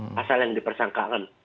pasal yang dipersangkaan